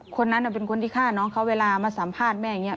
คนนั้นเป็นคนที่ฆ่าน้องเขาเวลามาสัมภาษณ์แม่อย่างนี้